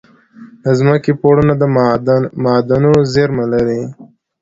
د ځمکې پوړونه د معادنو زیرمه لري.